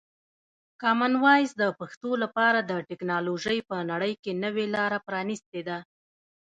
کامن وایس د پښتو لپاره د ټکنالوژۍ په نړۍ کې نوې لاره پرانیستې ده.